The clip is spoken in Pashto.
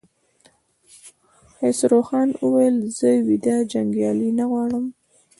خسروخان وويل: زه ويده جنګيالي نه غواړم!